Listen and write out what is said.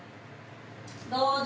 どうぞ。